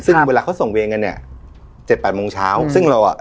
ซึ่งเวลาเขาส่งเวรกันเนี้ยเจ็ดแปดโมงเช้าซึ่งเราอ่ะ